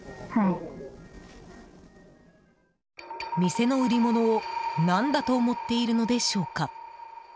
店の売り物を何だと思っているのでしょうか。